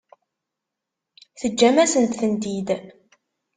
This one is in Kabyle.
Teǧǧam-asent-tent-id.